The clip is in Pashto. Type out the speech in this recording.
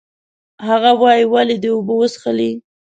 هغه وایي، ولې دې اوبه وڅښلې؟